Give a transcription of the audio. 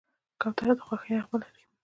کوتره د خوښۍ نغمه لري.